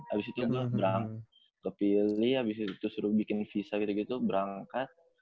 abis itu gue kepilih abis itu disuruh bikin visa gitu gitu berangkat